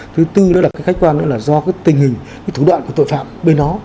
thứ tư đó là cái khách quan nữa là do cái tình hình cái thủ đoạn của tội phạm bên nó